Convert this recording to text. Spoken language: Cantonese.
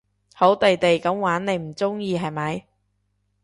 好地地噉玩你唔中意係咪？